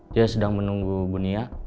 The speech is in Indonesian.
dia sedang menunggu bu nia